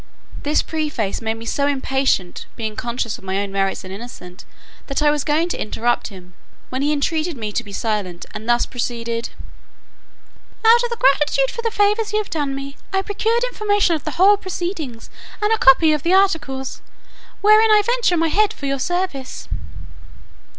This preface made me so impatient, being conscious of my own merits and innocence, that I was going to interrupt him; when he entreated me to be silent, and thus proceeded:— "Out of gratitude for the favours you have done me, I procured information of the whole proceedings, and a copy of the articles; wherein I venture my head for your service.